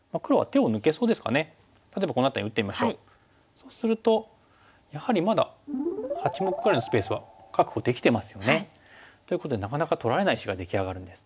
そうするとやはりまだ８目ぐらいのスペースは確保できてますよね。ということでなかなか取られない石が出来上がるんです。